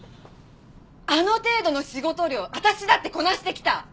あの程度の仕事量私だってこなしてきた！